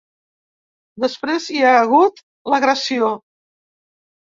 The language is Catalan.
Després hi ha hagut l’agressió.